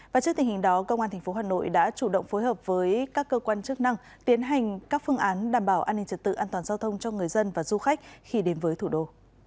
và trước tình hình đó công an tp hà nội đã chủ động phối hợp với các cơ quan chức năng tiến hành các phương án đảm bảo an ninh trật tự an toàn giao thông cho người dân và du khách khi đến với thủ đô